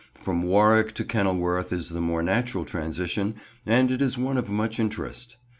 From Warwick to Kenilworth is the more natural transition, and it is one of much interest.